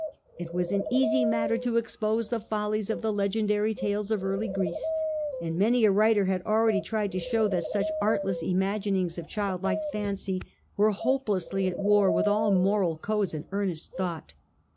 It was an easy matter to expose the follies of the legendary tales of early Greece, and many a writer had already tried to show that such artless imaginings of childlike fancy were hopelessly at war with all moral codes and earnest thought.